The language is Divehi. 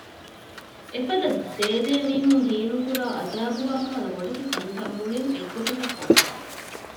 އެފަދަ ދޭދޭ މީހުން ހީނުކުރާ އަޖައިބު ވާކަހަލަ ބޮޑެތި ކަންތައް މުޅިން އެއްގޮތަކަށް ކޮށްފައިވެ